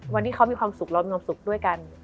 วันที่เขามีความสุขเรามีความสุขด้วยกัน